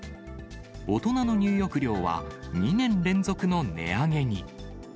大人の入浴料は２年連続の値上げに。